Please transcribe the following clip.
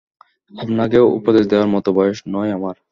আপনাকে উপদেশ দেয়ার মতো বয়স নয় আমার।